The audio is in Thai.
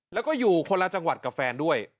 แล้วก็อยู่คนละจังหวัดกับแฟนด้วย